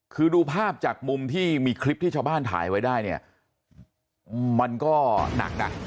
คือดูภาพจากมุมที่มีคลิปที่ชาวบ้านถ่ายไว้ได้เนี่ยมันก็หนักนะ